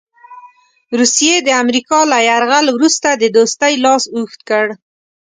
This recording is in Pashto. روسیې د امریکا له یرغل وروسته د دوستۍ لاس اوږد کړ.